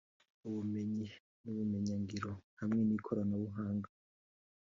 ubumenyi n’ubumenyingiro hamwe n’ikoranabuhanga